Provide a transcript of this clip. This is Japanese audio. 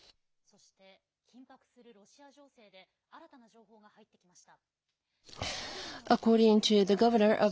そして緊迫するロシア情報で新たな情報が入ってきました。